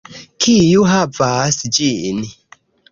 Kiu havas ĝin!